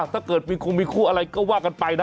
ถ้าเกิดมีคงมีคู่อะไรก็ว่ากันไปนะ